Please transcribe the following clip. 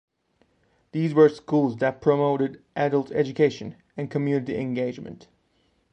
These were schools that promoted adult education and community engagement.